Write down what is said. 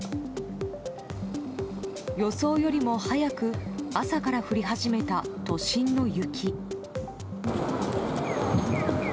予想よりも早く朝から降り始めた都心の雪。